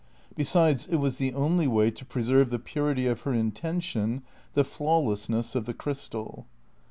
Besides, it was the only way to preserve the purity of her intention, the flawlessness of the crystal.